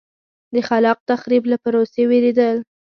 د خلاق تخریب له پروسې وېرېدل.